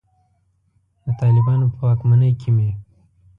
د طالبانو په واکمنۍ کې مې.